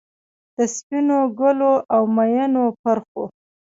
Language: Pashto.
د سپینو ګلو، اومیینو پرخو،